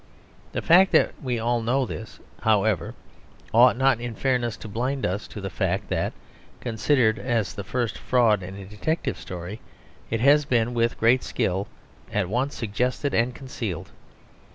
The fact that we all know this, however, ought not in fairness to blind us to the fact that, considered as the first fraud in a detective story, it has been, with great skill, at once suggested and concealed.